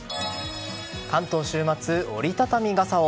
関東週末、折り畳み傘を。